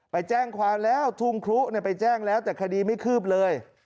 ไปแจ้งความแล้วทุ่งครุไปแจ้งแล้วแต่คดีไม่คืบเลย